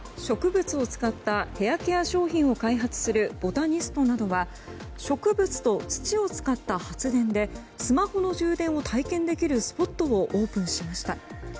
植物を使ったヘアケア商品を開発するＢＯＴＡＮＩＳＴなどは植物と土を使った発電でスマホの充電を体験できるスポットをオープンしました。